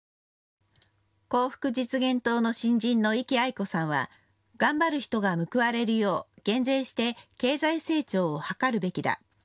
幸福実現党の新人の壹岐愛子さんは頑張る人が報われるよう、減税して経済成長を図るべきだ。